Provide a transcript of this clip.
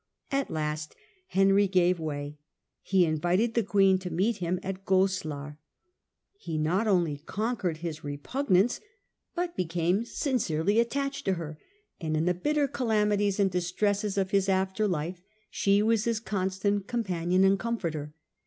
At last Heniy gave way ; he invited the queen to meet him at Goslar ; he not only conquered his repugnance, but became sincerely attached to her, and in the bitter calamities and distresses of his after life, she was his constant companion and comforter.